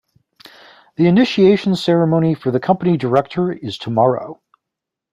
The initiation ceremony for the company director is tomorrow.